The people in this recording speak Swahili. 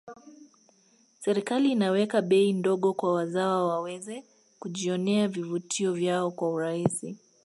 serikali inaweka bei ndogo kwa wazawa waweze kujionea vivutio vyao kwa urahisi